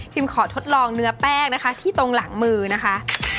ขอทดลองเนื้อแป้งนะคะที่ตรงหลังมือนะคะ